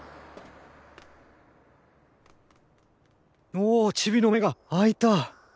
おおっチビの目があいた！